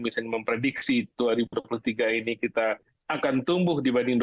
misalnya memprediksi dua ribu dua puluh tiga ini kita akan tumbuh dibanding dua ribu dua